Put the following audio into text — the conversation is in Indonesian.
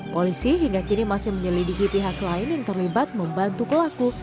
polisi hingga kini masih menyelidiki pihak lain yang terlibat membantu pelaku